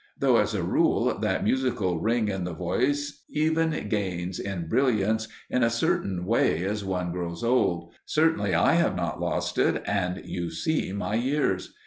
Though as a rule that musical ring in the voice even gains in brilliance in a certain way as one grows old certainly I have not yet lost it, and you see my years.